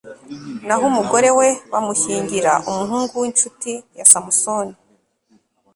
naho umugore we, bamushyingira umuhungu w'incuti ya samusoni